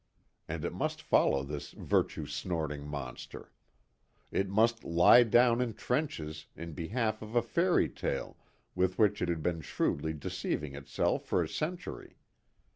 And it must follow this Virtue snorting monster. It must lie down in trenches in behalf of a Fairy Tale with which it had been shrewdly deceiving itself for a century.